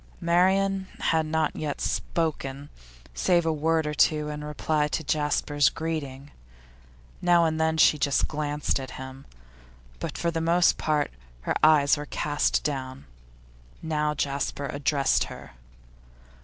Marian had not yet spoken, save a word or two in reply to Jasper's greeting; now and then she just glanced at him, but for the most part her eyes were cast down. Now Jasper addressed her.